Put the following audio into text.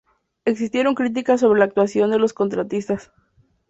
Existieron críticas sobre la actuación de los contratistas.